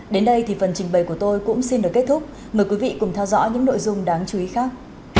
đến đây thì phần trình bày của tôi cũng xin được kết thúc mời quý vị cùng theo dõi những nội dung đáng chú ý khác